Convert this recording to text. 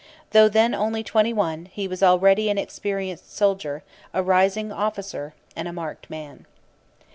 Though then only twenty one, he was already an experienced soldier, a rising officer, and a marked man.